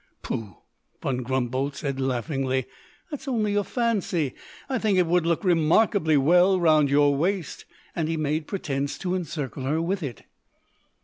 "Pooh!" Von Grumboldt said laughingly; "that's only your fancy. I think it would look remarkably well round your waist," and he made pretence to encircle her with it.